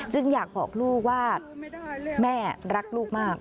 อยากบอกลูกว่าแม่รักลูกมาก